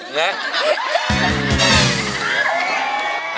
เหรอ